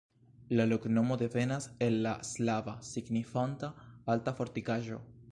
La loknomo devenas el la slava, signifanta: alta fortikaĵo.